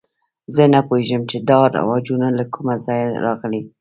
زه نه پوهېږم چې دا رواجونه له کومه ځایه راغلي.